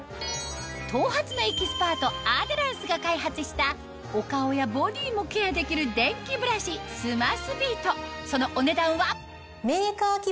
頭髪のエキスパートアデランスが開発したお顔やボディーもケアできるすごい！